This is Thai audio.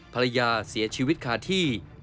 ภรรยาเสียชีวิตคาที่